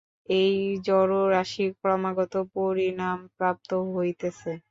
এই জড়রাশি ক্রমাগত পরিণামপ্রাপ্ত হইতেছে।